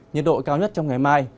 nhiệt độ cao nhất trong ngày mai